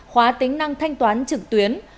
khóa tính năng thanh toán trực tuyến